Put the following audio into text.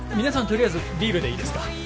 とりあえずビールでいいですか？